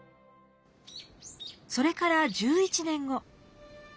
それから１１年後。